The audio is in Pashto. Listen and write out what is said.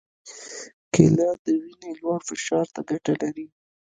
کېله د وینې لوړ فشار ته ګټه لري.